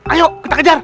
ayo kita kejar